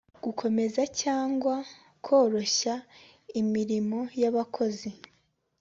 Gukomeza cyangwa koroshya imirimo yabakozi